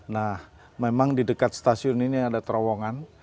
nah memang di dekat stasiun ini ada terowongan